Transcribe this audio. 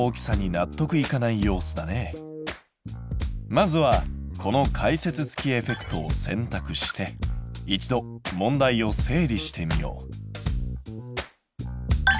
まずはこの解説付きエフェクトを選択して一度問題を整理してみよう。